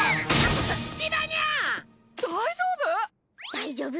大丈夫？